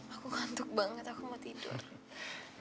aku ngantuk banget aku mau tidur